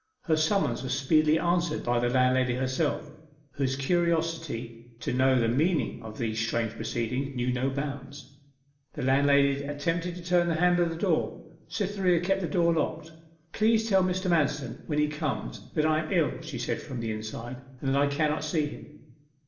Her summons was speedily answered by the landlady herself, whose curiosity to know the meaning of these strange proceedings knew no bounds. The landlady attempted to turn the handle of the door. Cytherea kept the door locked. 'Please tell Mr. Manston when he comes that I am ill,' she said from the inside, 'and that I cannot see him.